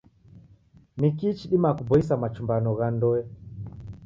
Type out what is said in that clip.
Ni kii chidimagha kuboisa machumbano gha ndoe?